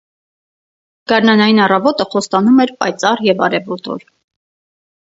Գարնանային առավոտը խոստանում էր պայծառ և արևոտ օր: